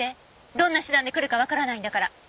どんな手段でくるかわからないんだから。